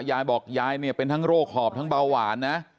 ยายบอกยายเนี่ยเป็นทั้งโรคหอบทั้งเบาหวานนะ